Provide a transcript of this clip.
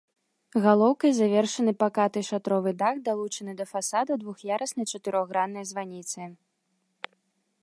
Галоўкай завершаны пакаты шатровы дах далучанай да фасада двух'яруснай чатырохграннай званіцы.